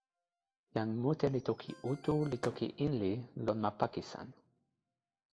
jan mute li toki Utu li toki Inli lon ma Pakisan.